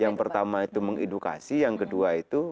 yang pertama itu mengedukasi yang kedua itu